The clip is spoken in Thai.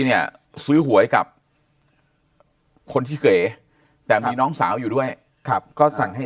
เนี่ยซื้อหวยกับคนที่เก๋แต่มีน้องสาวอยู่ด้วยครับก็สั่งให้